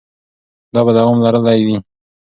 دا به دوام لرلی وي.